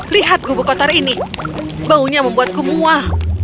lihat gubuk kotor ini baunya membuatku muah